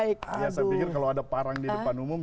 saya pikir kalau ada parang di depan umum